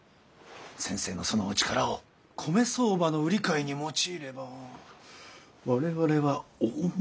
先生のそのお力を米相場の売り買いに用いれば我々は大もうけでございます。